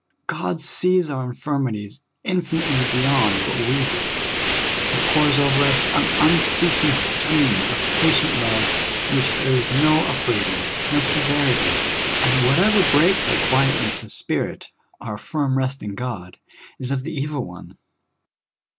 God sees our infirmities infinitely beyond what we do ; He pours over us an unceasing stream of patient love, in which there is no upbraiding, nor severit}^ ; and whatever breaks our quietness of spirit, our firm rest in God, is of the evil one.